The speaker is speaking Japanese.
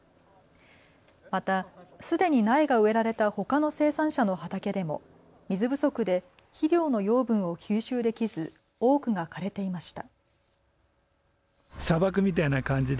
また、すでに苗が植えられたほかの生産者の畑でも水不足で肥料の養分を吸収できず多くが枯れていました。